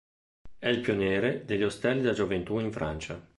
È il pioniere degli ostelli della gioventù in Francia.